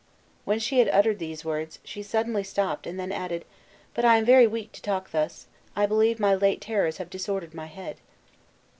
When she had uttered these words, she suddenly stopped, and then added, "But I am very weak to talk thus; I believe my late terrors have disordered my head."